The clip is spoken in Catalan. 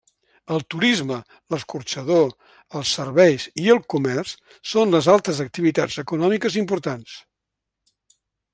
El turisme, l'escorxador, els serveis i el comerç són les altres activitats econòmiques importants.